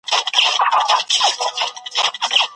څنګه خلګ د تابعیت حق ترلاسه کوي؟